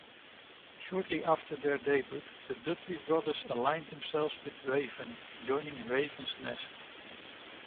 Shortly after their debut, the Dudley Brothers aligned themselves with Raven, joining Raven's Nest.